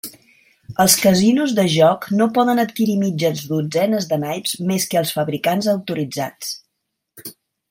Els casinos de joc no poden adquirir mitges dotzenes de naips més que als fabricants autoritzats.